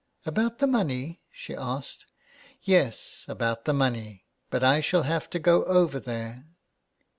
" About the money ?" she said. " Yes, about the money. But I shall have to go over there.